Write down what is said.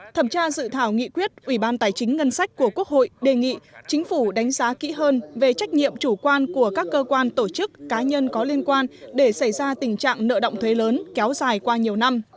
thẩm tra dự thảo nghị quyết ủy ban tài chính ngân sách của quốc hội đề nghị chính phủ đánh giá kỹ hơn về trách nhiệm chủ quan của các cơ quan tổ chức cá nhân có liên quan để xảy ra tình trạng nợ động thuế lớn kéo dài qua nhiều năm